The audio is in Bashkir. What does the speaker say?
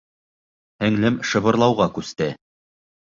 Һеңлем шыбырлауға күсте: